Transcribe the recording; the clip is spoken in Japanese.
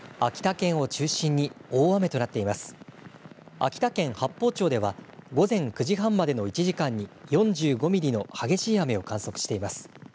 秋田県八峰町では午前９時半までの１時間に４５ミリの激しい雨を観測しています。